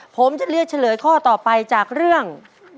ผมจะเลือกเฉลยข้อต่อไปจากเรื่อง